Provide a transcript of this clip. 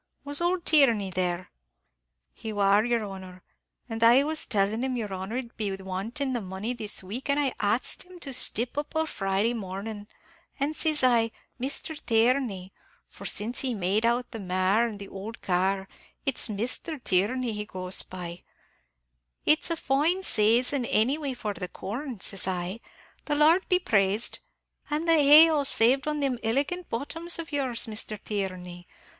Was ould Tierney there?" "He war, yer honor; and I was tellin' him yer honor 'id be wantin' the money this week, an' I axed him to stip up o' Friday mornin'; an', sis I, 'Misthur Tierney' for since he made out the mare and the ould car, it's Misthur Tierney he goes by 'it's a fine saison any way for the corn,' sis I, 'the Lord be praised; an' the hay all saved on thim illigant bottoms of yours, Misthur Tierney.